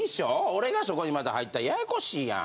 俺がそこにまた入ったらややこしいやん。